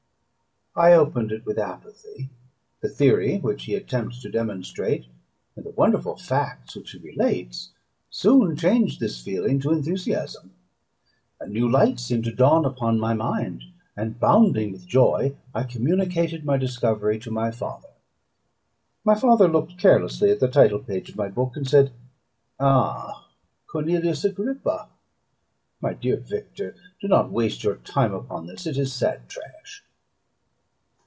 I opened it with apathy; the theory which he attempts to demonstrate, and the wonderful facts which he relates, soon changed this feeling into enthusiasm. A new light seemed to dawn upon my mind; and, bounding with joy, I communicated my discovery to my father. My father looked carelessly at the titlepage of my book, and said, "Ah! Cornelius Agrippa! My dear Victor, do not waste your time upon this; it is sad trash."